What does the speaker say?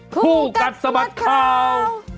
ผู้กัดสมัติข่าว